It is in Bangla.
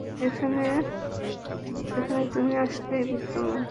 যেখানে তুমি আসলেই বিদ্যমান।